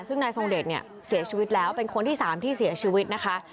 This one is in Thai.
ซึ่งนายทรงเดชเนี่ยเสียชีวิตแล้วเป็นคนที่๓ที่เสียชีวิตนะคะ